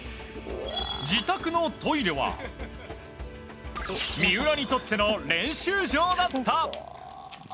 自宅のトイレは三浦にとっての練習場だった！